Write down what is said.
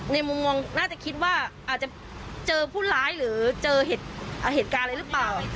มุมมองน่าจะคิดว่าอาจจะเจอผู้ร้ายหรือเจอเหตุการณ์อะไรหรือเปล่า